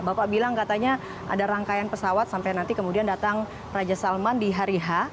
bapak bilang katanya ada rangkaian pesawat sampai nanti kemudian datang raja salman di hari h